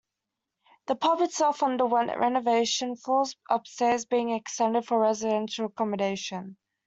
The pub itself underwent renovation, floors upstairs being extended for residential accommodation.